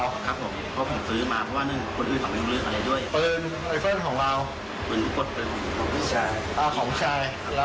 ครับผมเพราะผมซื้อมาเพราะว่า